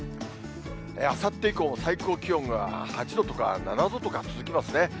あさって以降も最高気温が８度とか、７度とか続きますね。